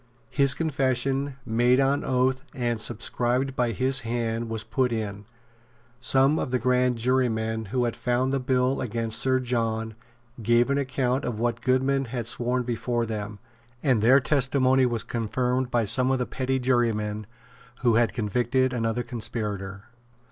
His confession, made on oath and subscribed by his hand, was put in. Some of the grand jurymen who had found the bill against Sir John gave an account of what Goodman had sworn before them; and their testimony was confirmed by some of the petty jurymen who had convicted another conspirator.